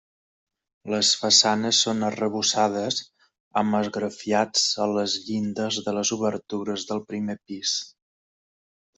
Les façanes són arrebossades, amb esgrafiats a les llindes de les obertures del primer pis.